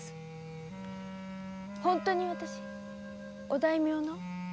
本当にあたしお大名の？